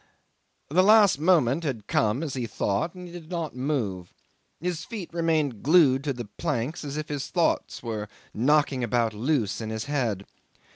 'The last moment had come, as he thought, and he did not move. His feet remained glued to the planks if his thoughts were knocking about loose in his head.